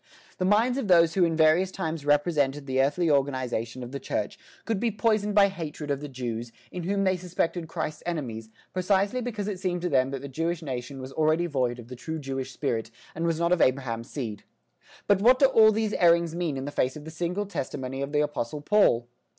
The minds of those who in various times represented the earthly organisation of the Church could be poisoned by hatred of the Jews, in whom they suspected Christ's enemies, precisely because it seemed to them that the Jewish nation was already void of the true Jewish spirit and was not of Abraham's seed. But what do all these errings mean in face of the single testimony of the apostle Paul?